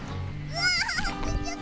うわ！